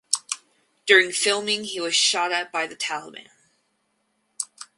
During filming he was shot at by the Taliban.